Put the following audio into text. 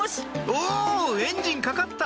おエンジンかかった！